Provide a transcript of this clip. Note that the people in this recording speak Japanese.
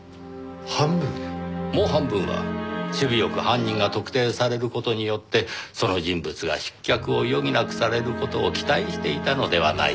もう半分は首尾よく犯人が特定される事によってその人物が失脚を余儀なくされる事を期待していたのではないかと。